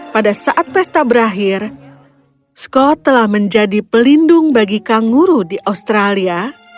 pada saat pesta berakhir scott telah menjadi pelindung bagi kangguru di australia